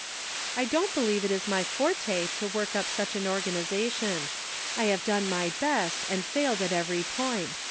" I don't believe it is my forte to work up such an organization. I have done my best, and failed at every point.